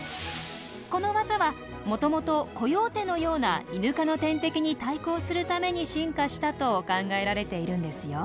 このワザはもともとコヨーテのようなイヌ科の天敵に対抗するために進化したと考えられているんですよ。